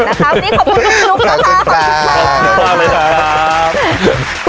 ขอบคุณครับ